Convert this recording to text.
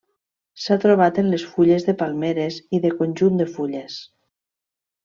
S'ha trobat en les fulles de palmeres i de conjunt de fulles.